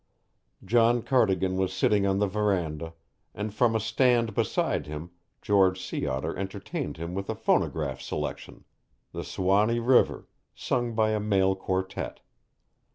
John Cardigan was sitting on the veranda, and from a stand beside him George Sea Otter entertained him with a phonograph selection "The Suwanee River," sung by a male quartet.